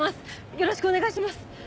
よろしくお願いします！